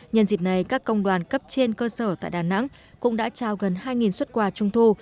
nhân dịp này các công đoàn cấp trên cơ sở tại đà nẵng cũng đã trao gần hai xuất quà trung thu